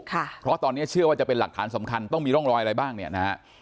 เพราะตอนนี้เชื่อว่าจะเป็นหลักฐานสำคัญต้องมีร่องรอยอะไรบ้างเนี่ยนะฮะ